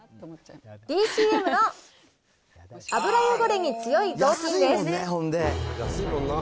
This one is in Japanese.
ＤＣＭの油汚れに強いぞうきんです。